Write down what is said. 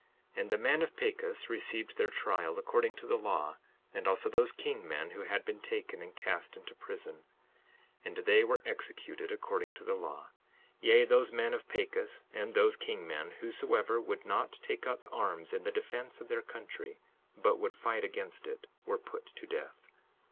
62:9 And the men of Pachus received their trial, according to the law, and also those king men who had been taken and cast into prison; and they were executed according to the law; yea, those men of Pachus and those king men, whosoever would not take up arms in the defence of their country, but would fight against it, were put to death.